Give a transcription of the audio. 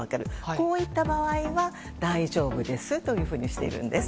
こういった場合は大丈夫ですというふうにしているんです。